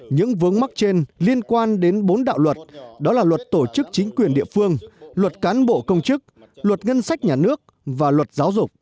những vướng mắc trên liên quan đến bốn đạo luật đó là luật tổ chức chính quyền địa phương luật cán bộ công chức luật ngân sách nhà nước và luật giáo dục